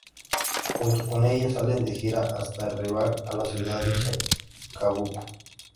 Junto con ella salen de gira hasta arribar a la ciudad de Chacabuco.